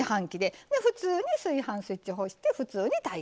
普通に炊飯スイッチを押して普通に炊いていきます。